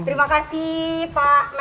terima kasih pak menkes